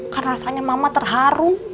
kan rasanya mama terharu